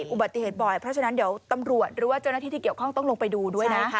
อุบัติเหตุบ่อยเพราะฉะนั้นเดี๋ยวตำรวจหรือว่าเจ้าหน้าที่ที่เกี่ยวข้องต้องลงไปดูด้วยนะคะ